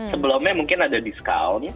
sebelumnya mungkin ada diskon